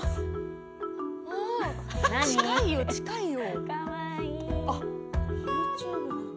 近いよ、近いよ。